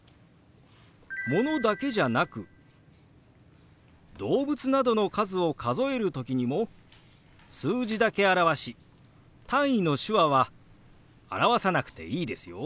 ものだけじゃなく動物などの数を数える時にも数字だけ表し単位の手話は表さなくていいですよ。